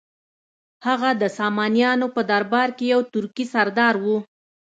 هغه د سامانیانو په درباره کې یو ترکي سردار و.